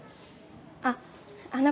あっあの